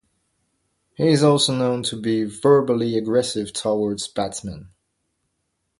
He is also known to be verbally aggressive towards batsmen.